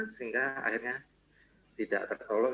sehingga akhirnya tidak tertolong